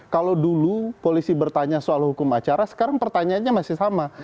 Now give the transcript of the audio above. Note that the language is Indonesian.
kalau dulu polisi bertanya soal hukum acara sekarang pertanyaannya masih sama